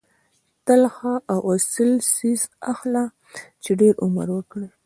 تل ښه او اصیل څیز اخله چې ډېر عمر وکړي.